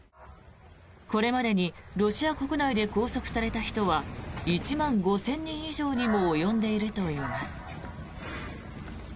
これまでにロシア国内で拘束された人は１万５０００人以上にも及んでいるといいます。